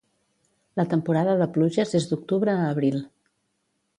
La temporada de pluges és d'octubre a abril.